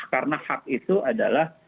karena hak itu adalah